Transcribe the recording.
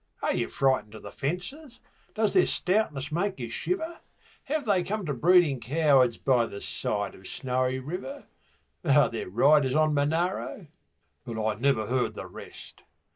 Are you frightened of the fences? does their stoutness make you shiver? Have they come to breeding cowards by the side of Snowy River? Are there riders on Monaro? ' but I never heard the rest.